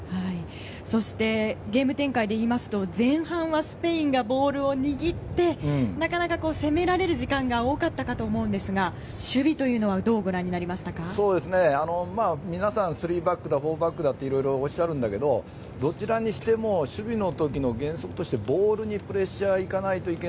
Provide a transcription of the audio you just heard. そして、ゲーム展開で言いますと前半はスペインがボールを握ってなかなか攻められる時間が多かったかと思うんですが守備というのは皆さん、３バックや４バックだっていろいろおっしゃるんだけどどちらにしても守備の時の原則としてボールにプレッシャーいけないという。